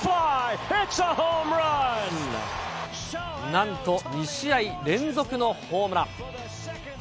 なんと２試合連続のホームラン。